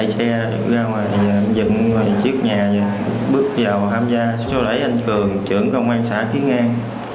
sau đấy anh cường trưởng công an xã kiến an